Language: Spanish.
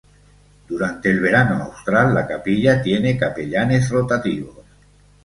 Durante el verano austral la capilla tiene capellanes rotativos.